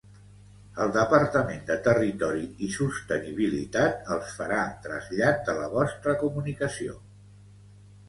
El Departament de Territori i Sostenibilitat els farà trasllat de la vostra comunicació.